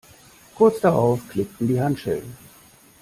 Kurz darauf klickten die Handschellen.